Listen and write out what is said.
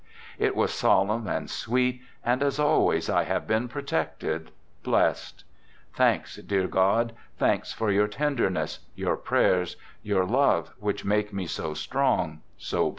It was solemn and sweet, and as always I have been protected, blessed. Thanks, dear God! Thanks for your tenderness, your prayers, your love which make me so strong, so brave.